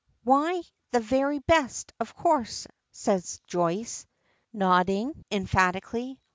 "Why, the very best, of course," says Joyce, nodding emphatically.